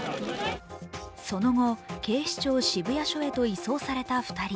その後、警視庁渋谷署へと移送された２人。